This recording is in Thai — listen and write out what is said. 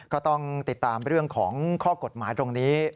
ก็ต้องติดตามเรื่องของข้อกฎหมายตรงนี้